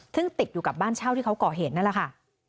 ซึ่งติดอยู่กับบ้านเช่าที่เขาก่อเหตุนั่นแหละค่ะ